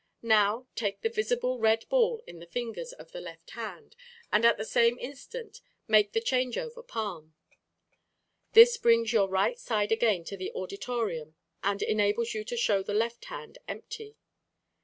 Now take the visible red ball in the fingers of the left hand and at the same instant make the "Change over Palm." This brings your right side again to the auditorium and enables you to show the left hand empty.